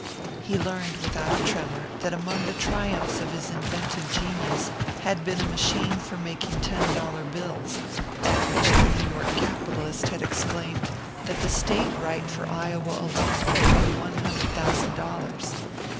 He learned without a tremor that among the triumphs of his inventive genius had been a machine for making ten dollar bills, at which the New York capitalist had exclaimed that the state right for Iowa alone would bring one hundred thousand dollars.